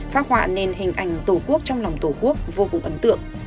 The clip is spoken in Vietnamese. phát họa nền hình ảnh tổ quốc trong lòng tổ quốc vô cùng ấn tượng